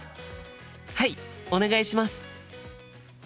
はいお願いします。